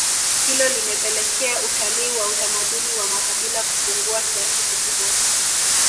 hilo limepelekea utalii wa utamaduni wa makabila kupungua kiasi kikubwa